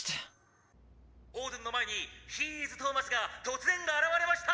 「オードゥンの前にヒーイズトーマスが突然現れました！」